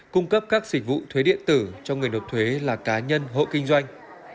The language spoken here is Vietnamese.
cung cấp các dịch vụ thuế điện tử cho người nộp thuế là cá nhân hộ kinh doanh